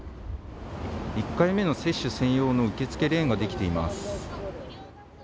１回目の接種専用の受付レーンが出来ています。